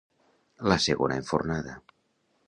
La segona enfornada.